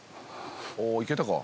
おいけたか？